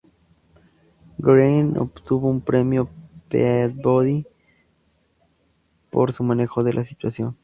Green obtuvo un Premio Peabody por su manejo de la situación.